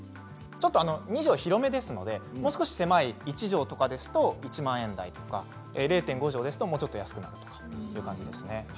ちょっと２畳は広めですのでもう少し狭い１畳ですと１万円台とか０．５畳ですと、もうちょっと安くなるという感じですね。